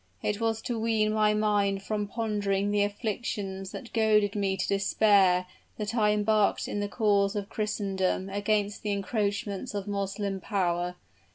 It was to wean my mind from pondering on afflictions that goaded me to despair that I embarked in the cause of Christendom against the encroachments of Moslem power.